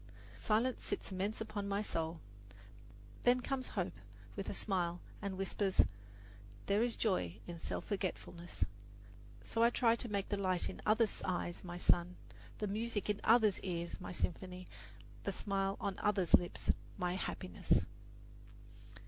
Silence sits immense upon my soul. Then comes hope with a smile and whispers, "There is joy in self forgetfulness." So I try to make the light in others' eyes my sun, the music in others' ears my symphony, the smile on others' lips my happiness.